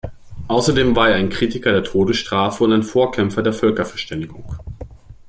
Außerdem war er ein Kritiker der Todesstrafe und ein Vorkämpfer der Völkerverständigung.